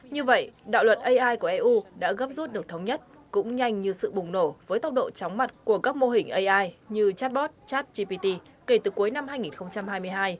như vậy đạo luật ai của eu đã gấp rút được thống nhất cũng nhanh như sự bùng nổ với tốc độ chóng mặt của các mô hình ai như chatbot chat gpt kể từ cuối năm hai nghìn hai mươi hai